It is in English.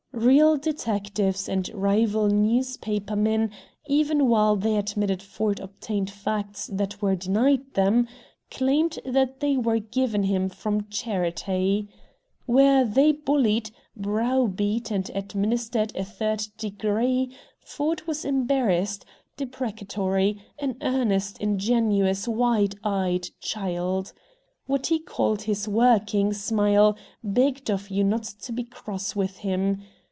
Real detectives and rival newspaper men, even while they admitted Ford obtained facts that were denied them, claimed that they were given him from charity. Where they bullied, browbeat, and administered a third degree, Ford was embarrassed, deprecatory, an earnest, ingenuous, wide eyed child. What he called his "working" smile begged of you not to be cross with him.